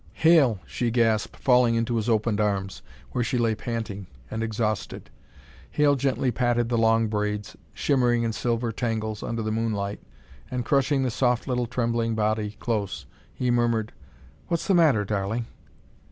"Hale!" she gasped, falling into his opened arms, where she lay panting and exhausted. Hale gently patted the long braids, shimmering in silver tangles under the moonlight, and, crushing the soft little trembling body close, he murmured: "What's the matter, darling?"